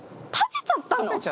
食べちゃったの？